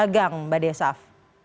dagang mbak desaf